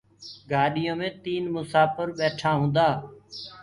گآڏيو مي تيٚن مسآڦر ٻيٺآ هونٚدآ